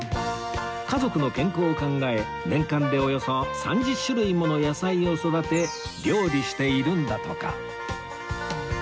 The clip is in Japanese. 家族の健康を考え年間でおよそ３０種類もの野菜を育て料理しているんだとか